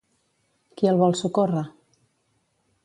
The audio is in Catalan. Qui el vol socórrer?